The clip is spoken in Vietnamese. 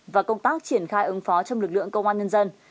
và công tác triển khai ứng phó trong lực lượng công an nhân dân